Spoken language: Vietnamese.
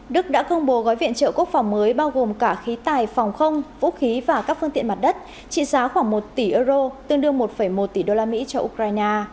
đức đã công bố gói viện trợ quốc phòng mới bao gồm cả khí tài phòng không vũ khí và các phương tiện mặt đất trị giá khoảng một tỷ euro tương đương một một tỷ đô la mỹ cho ukraine